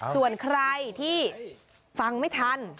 ส่วนใครที่ฟังไม่ทัน